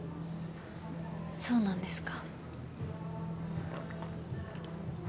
そうなんですか？